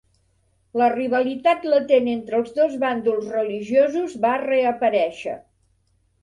La rivalitat latent entre els dos bàndols religiosos va reaparèixer.